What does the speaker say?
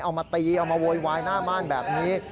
เอามาตีเอามาโวยวายหน้าบ้านแบบนี้